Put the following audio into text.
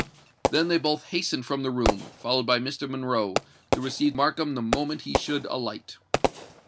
Then they both hastened from the room, followed by Mr. Monroe, to receive Markham the moment he should alight.